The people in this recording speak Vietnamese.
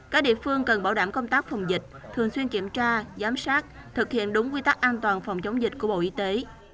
các địa phương cần bảo đảm công tác phòng dịch thường xuyên kiểm tra giám sát thực hiện đúng quy tắc an toàn phòng chống dịch của bộ y tế